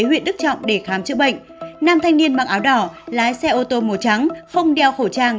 huyện đức trọng để khám chữa bệnh nam thanh niên mặc áo đỏ lái xe ô tô màu trắng không đeo khẩu trang